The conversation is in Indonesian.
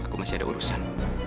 aku masih ada urusan